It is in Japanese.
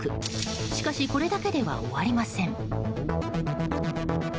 しかしこれだけでは終わりません。